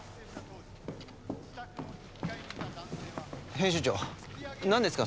編集長何ですか？